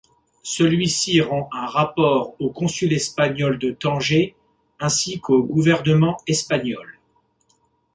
Celui-ci rend un rapport au consul espagnol de Tanger ainsi qu'au gouvernement espagnol.